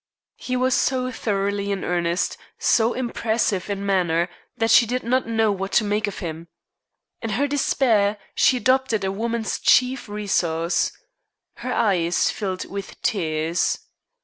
He was so thoroughly in earnest, so impressive in manner, that she did not know what to make of him. In her despair, she adopted a woman's chief resource her eyes filled with tears.